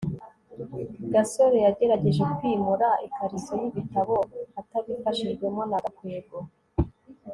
gasore yagerageje kwimura ikariso y'ibitabo atabifashijwemo na gakwego